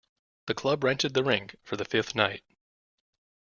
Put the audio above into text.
The club rented the rink for the fifth night.